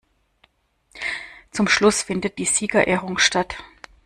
Zum Schluss findet die Siegerehrung statt.